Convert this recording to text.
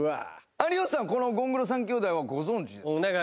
有吉さんこのゴングロ３兄弟はご存じですか？